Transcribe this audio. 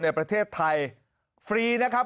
ในประเทศไทยฟรีนะครับ